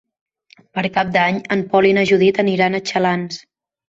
Per Cap d'Any en Pol i na Judit aniran a Xalans.